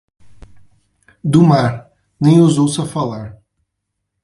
Do mar, nem os ouça falar.